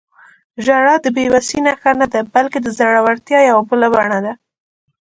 • ژړا د بې وسۍ نښه نه ده، بلکې د زړورتیا یوه بله بڼه ده.